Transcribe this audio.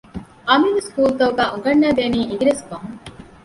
އަމިއްލަ ސްކޫލުތަކުގައި އުނގަންނައިދެނީ އިނގިރޭސި ބަހުން